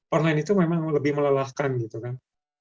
online itu memang lebih melelahkan gitu kan